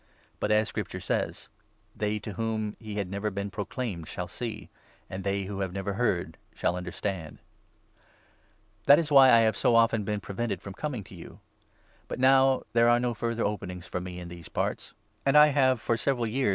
But as Scripture says — 21 ' They to whom he had never been proclaimed shall see ; And they who have never heard shall understand !' VI. — CONCLUSION. p«r«onai That is why I have so often been prevented from 22 Plan*. coming to you. But now there are n<9 further 23 openings for me in these parts, and I have for several years been 9 P».